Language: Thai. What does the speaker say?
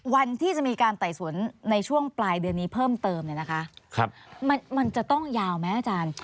วันที่จะมีการไต่ศนในช่วงปลายเดือนนี้เพิ่มเติมมันต้องยาวไหม